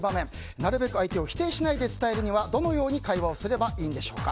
なるべく相手を否定しないで伝えるにはどのように会話をすればいいんでしょうか。